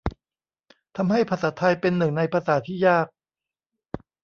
ทำให้ภาษาไทยเป็นหนึ่งในภาษาที่ยาก